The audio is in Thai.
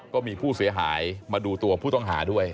ก็มีผู้เสียหายมาดูตัวผู้ต้องหาด้วย